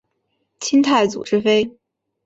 清太祖之妃。